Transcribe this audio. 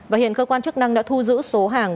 và hiện cơ quan chức năng đã thu giữ số hàng